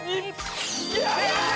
やった！